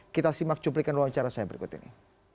kita simak cuplikan ruang acara saya berikut ini